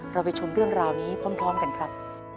เราไปชมเรื่องราวนี้พร้อมกันครับ